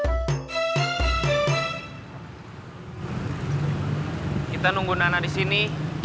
kita nunggu nana di sini